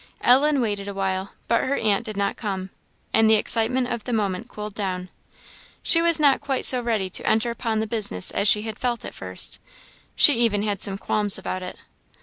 Ellen waited a while, but her aunt did not come, and the excitement of the moment cooled down. She was not quite so ready to enter upon the business as she had felt at first; she had even some qualms about it.